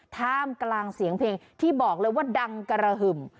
ท่ามกลางเสียงเพลงที่บอกเลยว่าดังกระหึ่ม